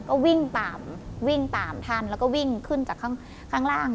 ก็วิ่งตามวิ่งตามท่านแล้วก็วิ่งขึ้นจากข้างล่าง